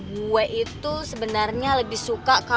gue itu sebenarnya lebih suka